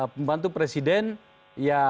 pembantu presiden ya